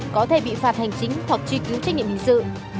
có thể bị phạt hành chính hoặc truy cứu trách nhiệm hình sự